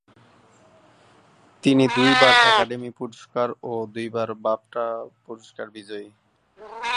তিনি দুইবার একাডেমি পুরস্কার ও দুইবার বাফটা পুরস্কার বিজয়ী।